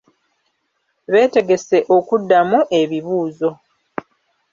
Beetegese okuddamu ebibuuzo.